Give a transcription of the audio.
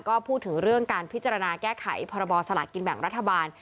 ก็พูดถึงเรื่องการพิจารณาแก้ไขพรบสลากินแบ่งรัฐบาล